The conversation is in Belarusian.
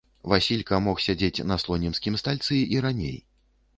Васілька мог сядзець на слонімскім стальцы і раней.